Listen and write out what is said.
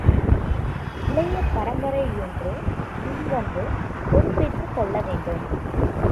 இளைய பரம்பரையன்றோ முன்வந்து பொறுப்பேற்றுக் கொள்ள வேண்டும்?